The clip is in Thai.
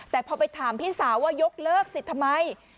แต่พอไปถามพี่สาวว่ายกเลิกสิทธิ์ทำไม